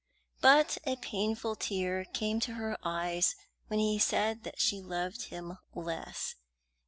But a painful tear came to her eyes when he said that she loved him less.